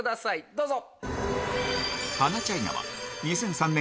どうぞ。